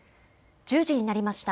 １０時になりました。